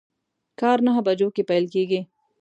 کار نهه بجو کی پیل کیږي